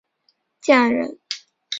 建安人。